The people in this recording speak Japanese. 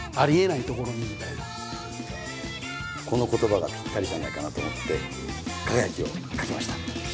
この言葉がぴったりじゃないかなと思って「輝」を書きました。